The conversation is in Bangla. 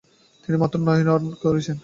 তিনি মাত্র নয় রান তুলেছিলেন।